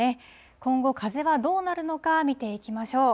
今後、風はどうなるのか、見ていきましょう。